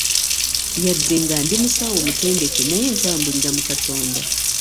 Yadde nga ndi musawo omutendeke naye ntambulira mu katonda.